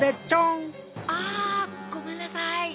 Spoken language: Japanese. あごめんなさい。